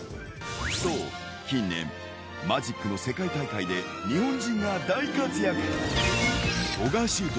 そう、近年、マジックの世界大会で日本人が大活躍。